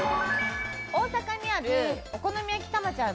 大阪にあるお好みたまちゃん